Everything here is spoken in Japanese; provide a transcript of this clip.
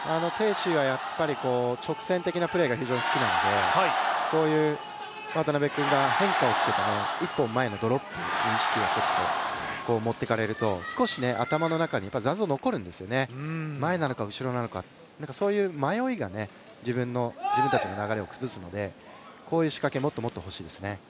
思緯はやっぱり直線的なプレーがすごく好きなので、こういう渡辺君が変化をつけた、１本前のドロップに意識を持ってかれると少し頭の中に残像が残るんですよね、前なのか後ろなのか、そういう迷いが自分たちの流れを崩すので、こういう仕掛けがもっともっと欲しいですね。